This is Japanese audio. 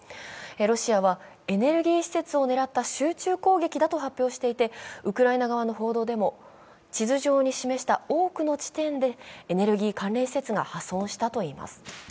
ロシアはエネルギー施設を狙った集中攻撃だと発表していてウクライナ側の報道でも、地図上に示した多くの地点でエネルギー関連施設が破損したといいます。